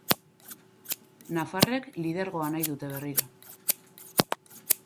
Nafarrek lidergoa nahi dute berriro.